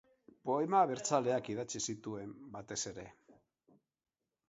Poema abertzaleak idatzi zituen, batez ere.